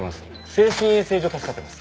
精神衛生上助かってます。